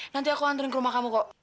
nanti aku hantuin ke rumah kamu kok